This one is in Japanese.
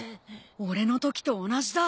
俺のときと同じだ。